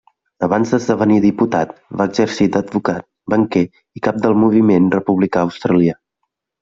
Abans d'esdevenir diputat, va exercir d'advocat, banquer i cap del Moviment Republicà Australià.